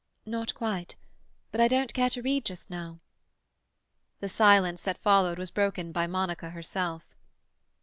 "Not quite. But I don't care to read just now." The silence that followed was broken by Monica herself.